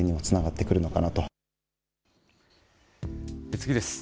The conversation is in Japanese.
次です。